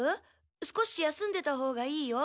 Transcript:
少し休んでたほうがいいよ。